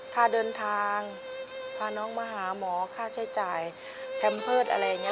ค่าเดินทางพาน้องมาหาหมอค่าใช้จ่ายอะไรอย่างเงี้ย